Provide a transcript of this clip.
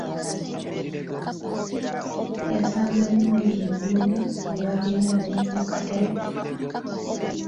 Yasanze munne mu luguudo nebagenda naye mu katale.